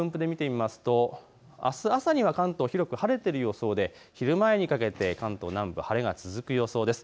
あす朝には関東、広く晴れている予想で昼前にかけて関東南部、晴れが続く予想です。